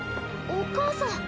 お母さん。